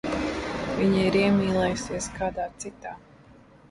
Viņa ir iemīlējusies kādā citā.